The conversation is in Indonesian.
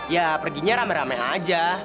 ya perginya ramai ramai aja